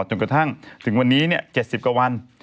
จนกระทั่งถึงวันนี้๗๐กว่าวัน